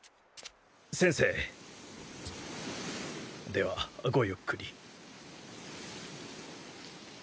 ではごゆっくり。